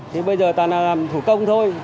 thì bây giờ ta làm thủ công thôi